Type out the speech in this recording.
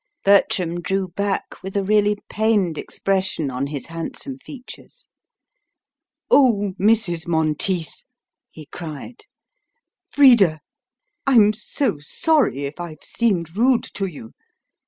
Bertram drew back with a really pained expression on his handsome features. "O Mrs. Monteith!" he cried, "Frida, I'm so sorry if I've seemed rude to you!